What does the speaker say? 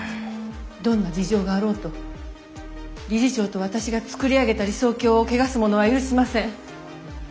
どんな事情があろうと理事長と私が作り上げた理想郷を汚す者は許しません。